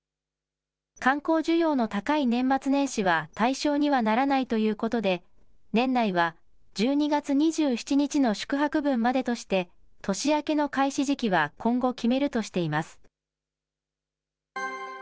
観光需要の高い年末年始は対象にはならないということで、年内は１２月２７日の宿泊分までとして、年明けの開始時期は今後決めるとしています。